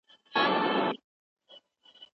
هغې ته وگوره چې څومره صبوره ده.